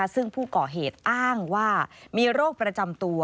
ซึ่งผู้ก่อเหตุอ้างว่ามีโรคประจำตัว